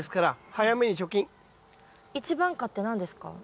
一番果って何ですか？